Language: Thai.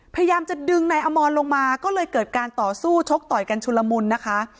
พยายามจะดึงนายอมรลงมาก็เลยเกิดการต่อสู้ชกต่อยกันชุลมุนนะคะ